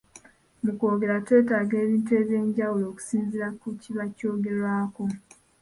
Mu kwogera twetaaga ebintu eby’enjawulo okusinziira ku kiba kyogerwako.